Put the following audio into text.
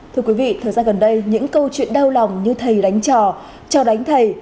thưa quý vị thời gian gần đây những câu chuyện đau lòng như thầy đánh trò cho đánh thầy